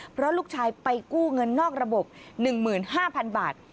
เพราะลูกชายไปกู้เงินนอกระบบ๑๕๐๐๐บาท